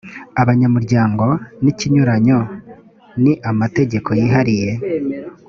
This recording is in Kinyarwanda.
abanyamuryango n’ikinyuranyo ni amategeko yihariye